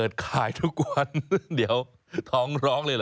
ขายทุกวันเดี๋ยวท้องร้องเลยเหรอ